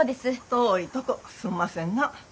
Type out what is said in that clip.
遠いとこすんませんな。